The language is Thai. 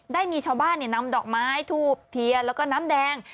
ได้มีชาวบ้านนำดอกไม้ทูบเทียนแล้วก็น้ำแดง